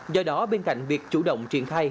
do đó bên cạnh việc chủ động triển khai